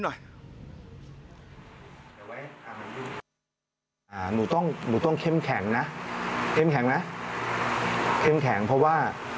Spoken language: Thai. ยิ้มแข็งเพราะว่า